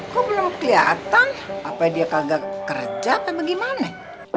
kok belum keliatan apa dia kagak kerja apa gimana